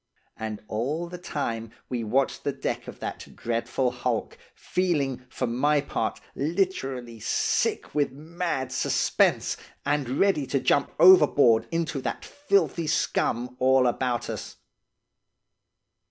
And all the time we watched the deck of that dreadful hulk, feeling, for my part, literally sick with mad suspense, and ready to jump overboard into that filthy scum all about us.